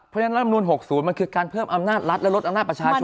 เพราะฉะนั้นรัฐมนุน๖๐มันคือการเพิ่มอำนาจรัฐและลดอำนาจประชาชน